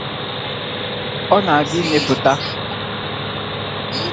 About is unpaved.